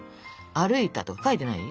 「歩いた」とか書いてない？